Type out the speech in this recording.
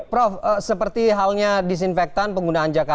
prof seperti halnya disinfektan penggunaan jaka